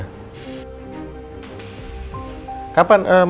kapan mama kamu balik lagi ke indonesia